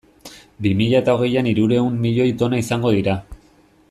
Bi mila eta hogeian hirurehun milioi tona izango dira.